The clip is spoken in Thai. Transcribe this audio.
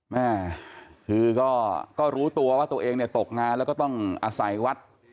แม่คือก็รู้ตัวว่าตัวเองเนี่ยตกงานแล้วก็ต้องอาศัยวัด